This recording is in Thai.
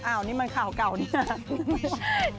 อ้าวนี่มันข่าวเก่าเนี่ย